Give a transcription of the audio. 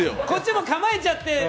こっちも構えちゃって。